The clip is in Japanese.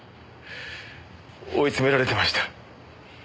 追い詰められてました。